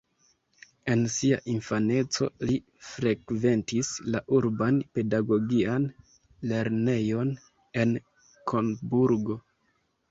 En sia infaneco, li frekventis la urban pedagogian lernejon en Koburgo.